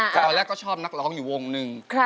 ตอนแรกก็ชอบนักร้องอยู่วงหนึ่ง